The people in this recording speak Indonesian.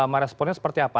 ma responnya seperti apa